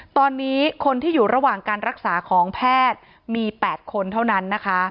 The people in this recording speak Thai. ตอนนี้คนที่อยู่ระหว่างการรักษาของแพทย์มี๘คนเท่านั้นนะคะ